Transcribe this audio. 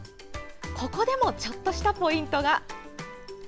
ここでもちょっとしたポイントが。